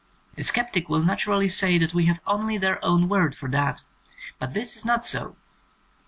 The sceptic will naturally say that we have only their own word for that, but this is not so.